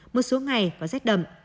một số ngày có rét đậm